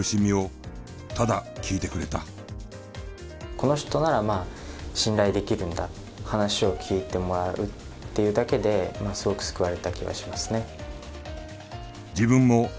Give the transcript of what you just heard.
この人なら信頼できるんだ話を聞いてもらうっていうだけですごく救われた気がしますね。